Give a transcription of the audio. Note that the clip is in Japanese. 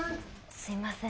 すいません。